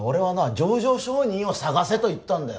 情状証人を探せと言ったんだよ